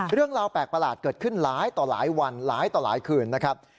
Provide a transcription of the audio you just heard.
เรื่องราวแปลกประหลาดเกิดขึ้นหลายต่อหลายวันหลายต่อหลายคืนนะครับ